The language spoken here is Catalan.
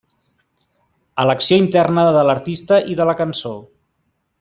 Elecció interna de l'artista i de la cançó.